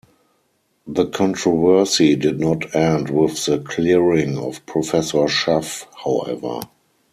The controversy did not end with the clearing of Professor Schaff, however.